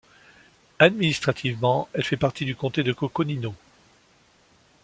Administrativement, elle fait partie du comté de Coconino.